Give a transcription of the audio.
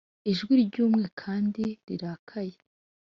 ijwi ryumye kandi rirakaye?